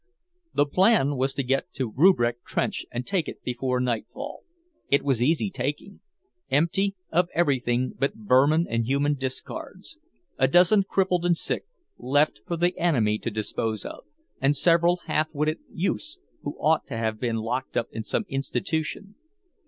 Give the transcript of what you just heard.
The plan was to get to Rupprecht trench and take it before nightfall. It was easy taking empty of everything but vermin and human discards; a dozen crippled and sick, left for the enemy to dispose of, and several half witted youths who ought to have been locked up in some institution.